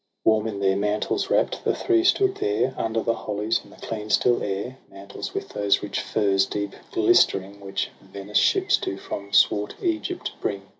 Warm in their mantles wrapt, the three stood there, Under the hollies, in the clear still air — TRISTRAM AND ISEULT. 221 Mantles with those rich furs deep glistering Which Venice ships do from swart Egypt bring.